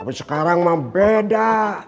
tapi sekarang membeda